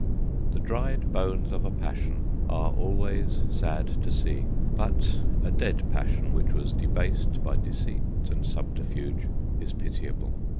The dried bones of a passion are always sad to see, but a dead passion which was debased by deceit and subterfuge is pitiable.